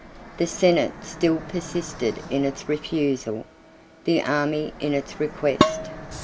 The senate still persisted in its refusal; the army in its request.